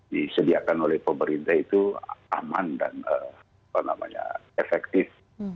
disediakan oleh pemerintah itu aman dan efektif